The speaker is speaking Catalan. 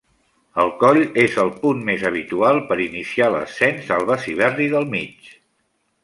El coll és el punt més habitual per iniciar l'ascens al Besiberri del Mig.